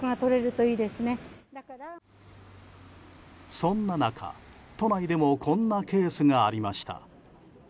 そんな中、都内でもこんなケースがありました。